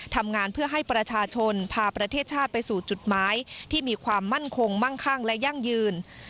ทำงานเพื่อให้ประชาชนพาประเทศชาติไปสู่จุดหมายที่มีความมั่นคงมั่งคั่งและยั่งยืน